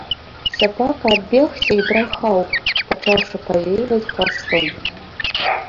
Сабака адбегся і брахаў, пачаўшы павільваць хвастом.